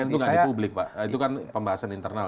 tapi kan itu tidak di publik pak itu kan pembahasan internal